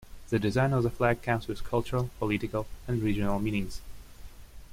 The design of the flag comes with cultural, political, and regional meanings.